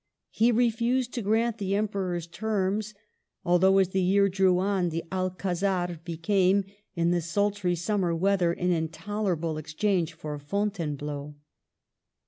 He refused to grant the Emperor's terms, though, as the year drew on, the Alcazar became, in the sultry summer weather, an intolerable exchange for Fontaine bleau.